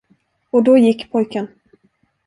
Och då gick pojken.